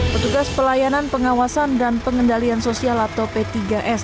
petugas pelayanan pengawasan dan pengendalian sosial atau p tiga s